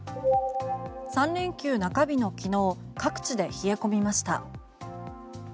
３連休中日の昨日各地で冷え込みました。